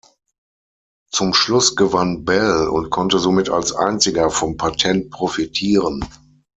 Zum Schluss gewann Bell und konnte somit als Einziger vom Patent profitieren.